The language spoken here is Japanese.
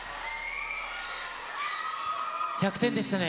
１００点でしたね。